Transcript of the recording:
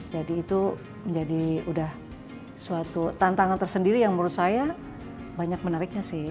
jadi itu menjadi sudah suatu tantangan tersendiri yang menurut saya banyak menariknya sih